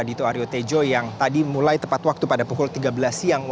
dito aryo tejo yang tadi mulai tepat waktu pada pukul tiga belas siang